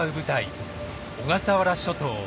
小笠原諸島。